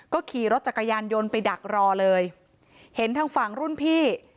ขี่รถจักรยานยนต์ไปดักรอเลยเห็นทางฝั่งรุ่นพี่